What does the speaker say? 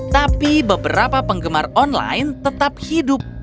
tapi beberapa penggemar online tetap hidup